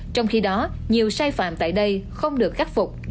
trong khi đó nhiều sai phạm tại đây không được khắc phục